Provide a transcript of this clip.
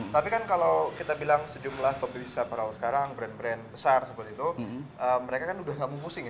tapi kan kalau kita bilang sejumlah pembesar paralel sekarang brand brand besar seperti itu mereka kan udah nggak memusing ya